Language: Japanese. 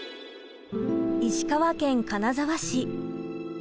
石川県金沢市。